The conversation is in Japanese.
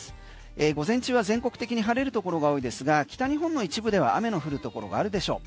午前中は全国的に晴れるところが多いですが北日本の一部では雨の降るところがあるでしょう。